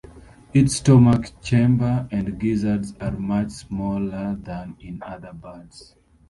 Its stomach chamber and gizzard are much smaller than in other birds.